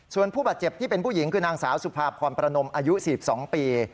ส่วนผู้บาดเจ็บที่เป็นผู้หญิงคือนางสาวสุภาพรประนมอายุ๔๒ปี